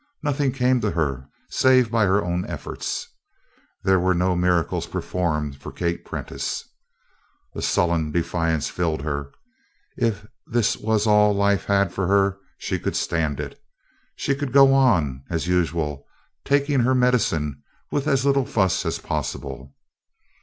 Nothing came to her save by her own efforts. There were no miracles performed for Kate Prentice. A sullen defiance filled her. If this was all life had for her she could stand it; she could go on as usual taking her medicine with as little fuss as possible.